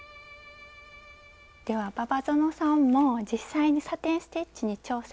では馬場園さんも実際にサテン・ステッチに挑戦してみませんか？